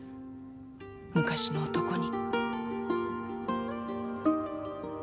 昔の男に。